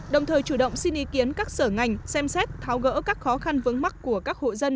đồng thời chủ động xin ý kiến các sở ngành xem xét tháo gỡ các khó khăn vướng mắt của các hộ dân